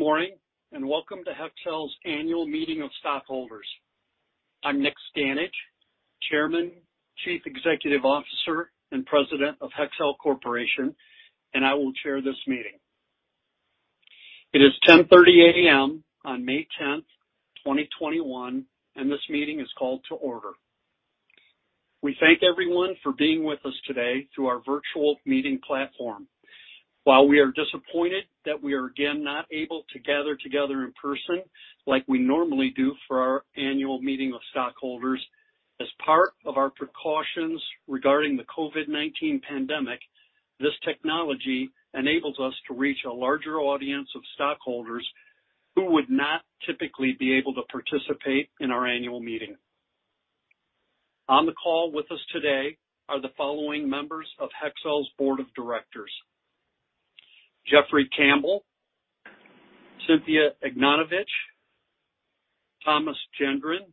Good morning, and welcome to Hexcel's annual meeting of stockholders. I'm Nick Stanage, Chairman, Chief Executive Officer, and President of Hexcel Corporation, I will chair this meeting. It is 10:30 A.M. on May 10th, 2021, this meeting is called to order. We thank everyone for being with us today through our virtual meeting platform. While we are disappointed that we are again not able to gather together in person like we normally do for our annual meeting of stockholders, as part of our precautions regarding the COVID-19 pandemic, this technology enables us to reach a larger audience of stockholders who would not typically be able to participate in our annual meeting. On the call with us today are the following members of Hexcel's Board of Directors: Jeffrey Campbell, Cynthia Egnotovich, Thomas Gendron,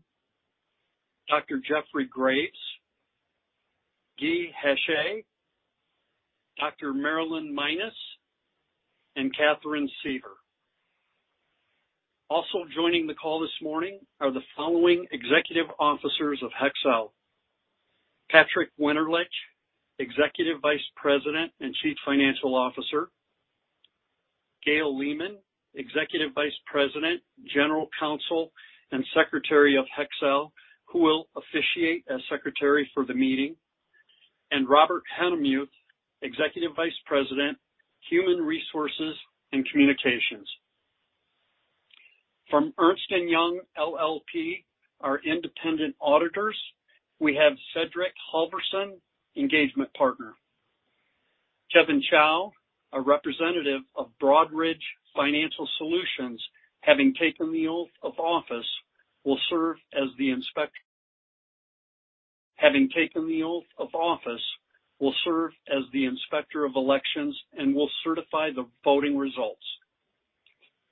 Dr. Jeffrey Graves, Guy Hachey, Dr. Marilyn Minus, and Catherine Suever. Also joining the call this morning are the following Executive Officers of Hexcel: Patrick Winterlich, Executive Vice President and Chief Financial Officer, Gail Lehman, Executive Vice President, General Counsel, and Secretary of Hexcel, who will officiate as Secretary for the meeting, Robert Hennemuth, Executive Vice President, Human Resources and Communications. From Ernst & Young LLP, our independent auditors, we have Cedric Halverson, Engagement Partner. Kevin Chow, a representative of Broadridge Financial Solutions, having taken the oath of office, will serve as the Inspector of Elections and will certify the voting results.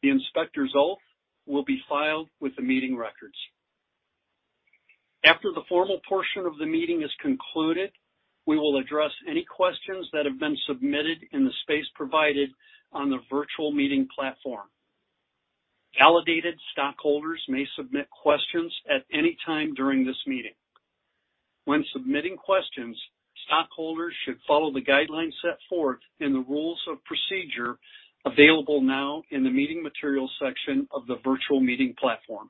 The inspector's oath will be filed with the meeting records. After the formal portion of the meeting is concluded, we will address any questions that have been submitted in the space provided on the virtual meeting platform. Validated stockholders may submit questions at any time during this meeting. When submitting questions, stockholders should follow the guidelines set forth in the rules of procedure available now in the meeting materials section of the virtual meeting platform.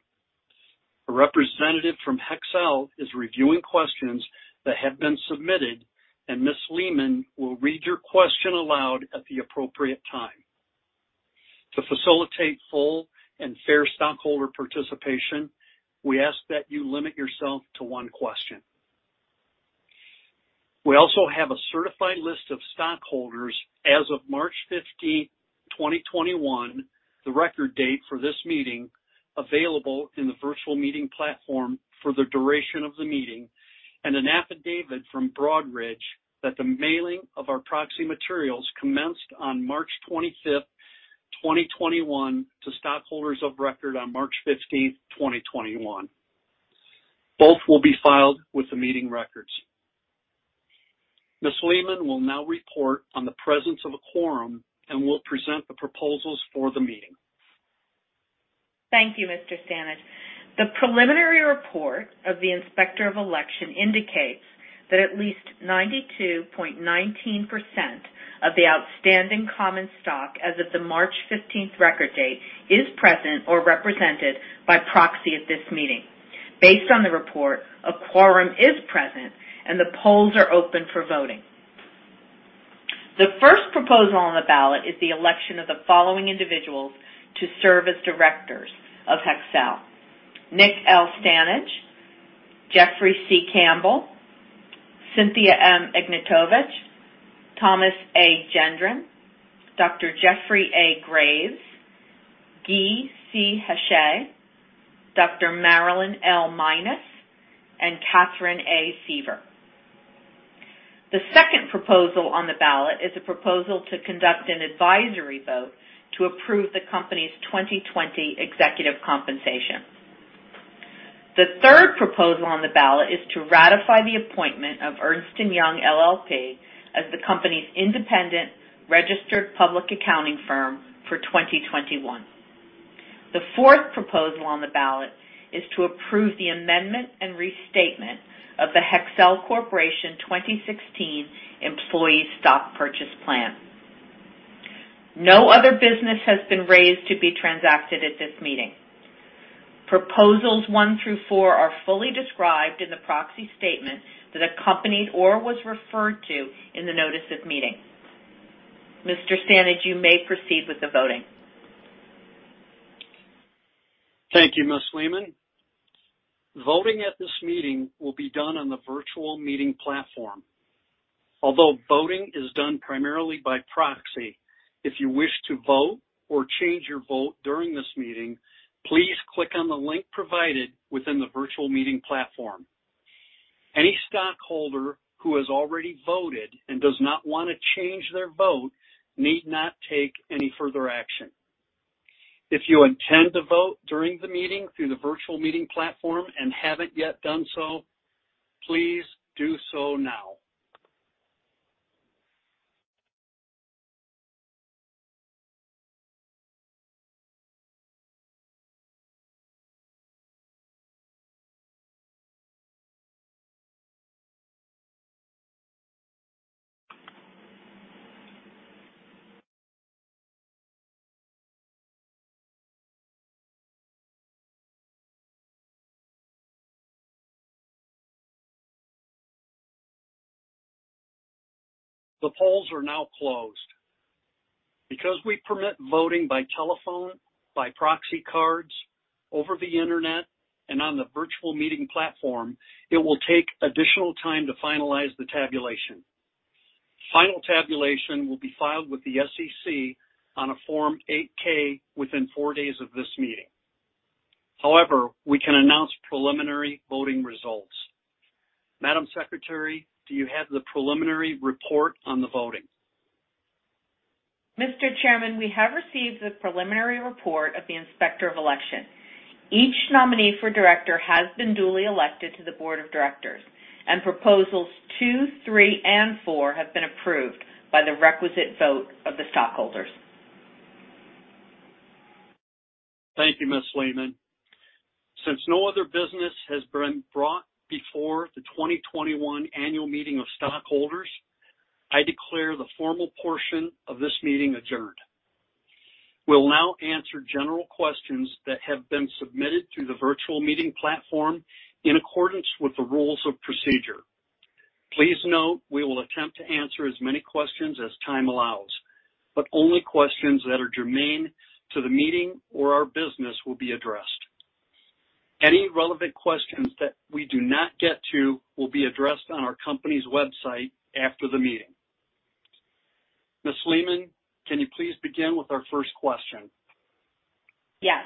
A representative from Hexcel is reviewing questions that have been submitted, Ms. Lehman will read your question aloud at the appropriate time. To facilitate full and fair stockholder participation, we ask that you limit yourself to one question. We also have a certified list of stockholders as of March 15th, 2021, the record date for this meeting, available in the virtual meeting platform for the duration of the meeting, an affidavit from Broadridge that the mailing of our proxy materials commenced on March 25th, 2021, to stockholders of record on March 15th, 2021. Both will be filed with the meeting records. Ms. Lehman will now report on the presence of a quorum and will present the proposals for the meeting. Thank you, Mr. Stanage. The preliminary report of the Inspector of Election indicates that at least 92.19% of the outstanding common stock as of the March 15th record date is present or represented by proxy at this meeting. Based on the report, a quorum is present, the polls are open for voting. The first proposal on the ballot is the election of the following individuals to serve as Directors of Hexcel: Nick L. Stanage, Jeffrey C. Campbell, Cynthia M. Egnotovich, Thomas A. Gendron, Dr. Jeffrey A. Graves, Guy C. Hachey, Dr. Marilyn L. Minus, and Catherine A. Suever. The second proposal on the ballot is a proposal to conduct an advisory vote to approve the company's 2020 executive compensation. The third proposal on the ballot is to ratify the appointment of Ernst & Young LLP as the company's independent registered public accounting firm for 2021. The fourth proposal on the ballot is to approve the amendment and restatement of the Hexcel Corporation 2016 Employee Stock Purchase Plan. No other business has been raised to be transacted at this meeting. Proposals one through four are fully described in the proxy statement that accompanied or was referred to in the notice of meeting. Mr. Stanage, you may proceed with the voting. Thank you, Ms. Lehman. Voting at this meeting will be done on the virtual meeting platform. Although voting is done primarily by proxy, if you wish to vote or change your vote during this meeting, please click on the link provided within the virtual meeting platform. Any stockholder who has already voted and does not want to change their vote need not take any further action. If you intend to vote during the meeting through the virtual meeting platform and haven't yet done so, please do so now. The polls are now closed. Because we permit voting by telephone, by proxy cards, over the internet, and on the virtual meeting platform, it will take additional time to finalize the tabulation. Final tabulation will be filed with the SEC on a Form 8-K within four days of this meeting. However, we can announce preliminary voting results. Madam Secretary, do you have the preliminary report on the voting? Mr. Chairman, we have received the preliminary report of the Inspector of Election. Each nominee for director has been duly elected to the board of directors, and Proposals two, three, and four have been approved by the requisite vote of the stockholders. Thank you, Ms. Lehman. Since no other business has been brought before the 2021 Annual Meeting of Stockholders, I declare the formal portion of this meeting adjourned. We'll now answer general questions that have been submitted through the virtual meeting platform in accordance with the rules of procedure. Please note we will attempt to answer as many questions as time allows, but only questions that are germane to the meeting or our business will be addressed. Any relevant questions that we do not get to will be addressed on our company's website after the meeting. Ms. Lehman, can you please begin with our first question? Yes.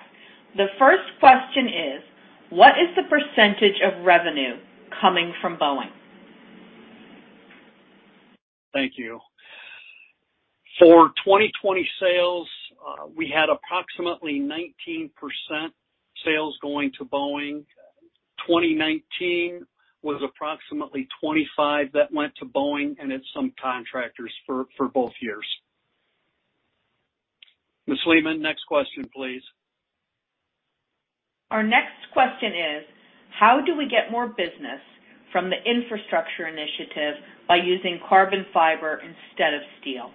The first question is, what is the percentage of revenue coming from Boeing? Thank you. For 2020 sales, we had approximately 19% sales going to Boeing. 2019 was approximately 25% that went to Boeing, and it's some contractors for both years. Ms. Lehman, next question please. Our next question is, how do we get more business from the infrastructure initiative by using carbon fiber instead of steel?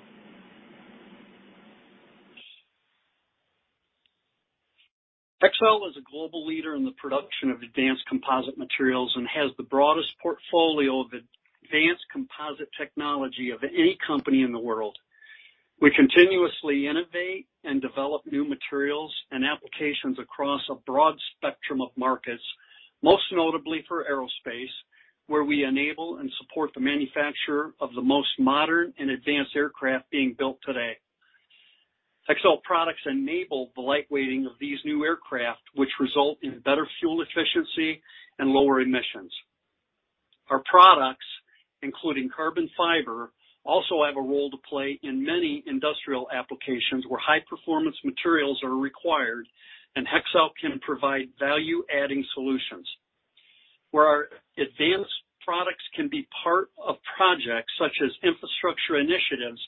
Hexcel is a global leader in the production of advanced composite materials and has the broadest portfolio of advanced composite technology of any company in the world. We continuously innovate and develop new materials and applications across a broad spectrum of markets, most notably for aerospace, where we enable and support the manufacturer of the most modern and advanced aircraft being built today. Hexcel products enable the lightweighting of these new aircraft, which result in better fuel efficiency and lower emissions. Our products, including carbon fiber, also have a role to play in many industrial applications where high-performance materials are required, and Hexcel can provide value-adding solutions. Where our advanced products can be part of projects such as infrastructure initiatives,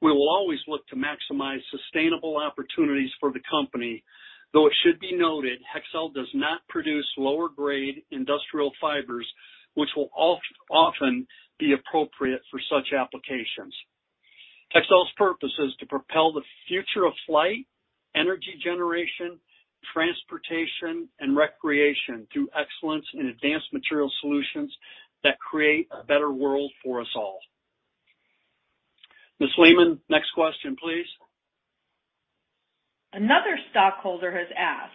we will always look to maximize sustainable opportunities for the company. Though it should be noted, Hexcel does not produce lower-grade industrial fibers, which will often be appropriate for such applications. Hexcel's purpose is to propel the future of flight, energy generation, transportation, and recreation through excellence in advanced material solutions that create a better world for us all. Ms. Lehman, next question please. Another stockholder has asked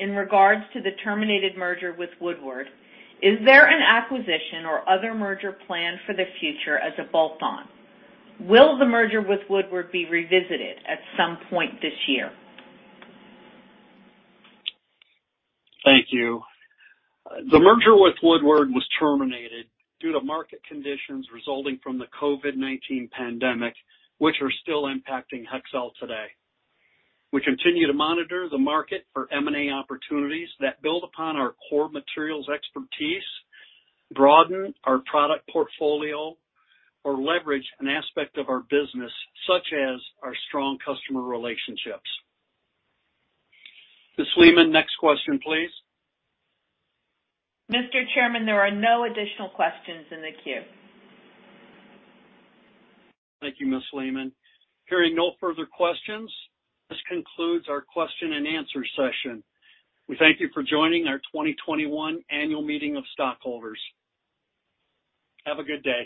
in regards to the terminated merger with Woodward, is there an acquisition or other merger plan for the future as a bolt-on? Will the merger with Woodward be revisited at some point this year? Thank you. The merger with Woodward was terminated due to market conditions resulting from the COVID-19 pandemic, which are still impacting Hexcel today. We continue to monitor the market for M&A opportunities that build upon our core materials expertise, broaden our product portfolio, or leverage an aspect of our business, such as our strong customer relationships. Ms. Lehman, next question, please. Mr. Chairman, there are no additional questions in the queue. Thank you, Ms. Lehman. Hearing no further questions, this concludes our question and answer session. We thank you for joining our 2021 Annual Meeting of Stockholders. Have a good day.